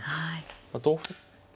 同歩。